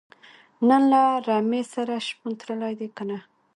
نن له رمې سره شپون تللی دی که نۀ